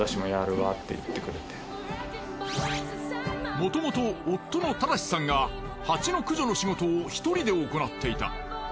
もともと夫の周士さんがハチの駆除の仕事をひとりで行っていた。